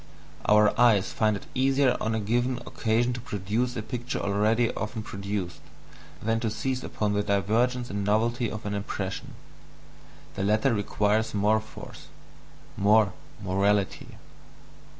Our eyes find it easier on a given occasion to produce a picture already often produced, than to seize upon the divergence and novelty of an impression: the latter requires more force, more "morality."